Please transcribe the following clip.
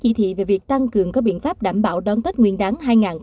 y thị về việc tăng cường các biện pháp đảm bảo đón tết nguyên đáng hai nghìn hai mươi bốn